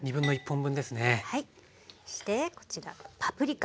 そしてこちらパプリカ。